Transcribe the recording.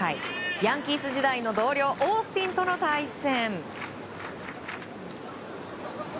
ヤンキース時代の同僚オースティンとの対戦。